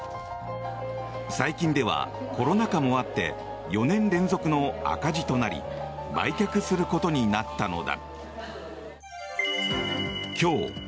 最近ではコロナ禍もあって４年連続の赤字となり売却することになったのだ。